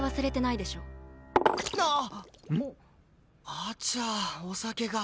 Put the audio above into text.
あちゃお酒が。